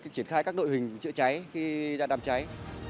triển khai các đội hình chữa cháy khi đang đàm cháy